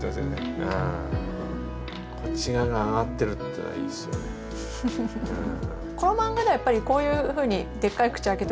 こっち側が上がってるっていうのがいいですよねうん。